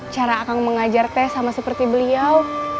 cara akan mengajar teh sama seperti beliau